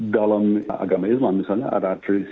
dalam agama islam misalnya ada tradisi pesawus